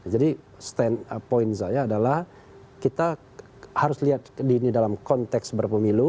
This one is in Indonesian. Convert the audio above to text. jadi stand point saya adalah kita harus lihat ini dalam konteks berpemilu